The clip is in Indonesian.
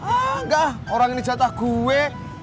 enggak orang ini jatah gue